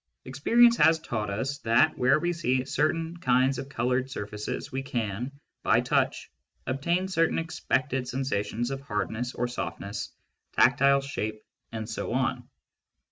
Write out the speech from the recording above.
Experience has taught us that where we see certain kinds of coloured surfaces we can, by touch, obtain certain expected sensations of hardness or softness, tactile shape, and so on.